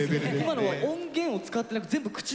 今のは音源を使ってなくて全部口だけから。